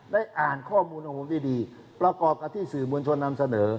ได้อ่านข้อมูลของผมที่ดีประกอบกับที่สื่อมวลชนนำเสนอ